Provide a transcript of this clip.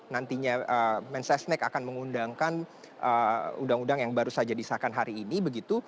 nantinya mensesnek akan mengundangkan undang undang yang baru saja disahkan hari ini begitu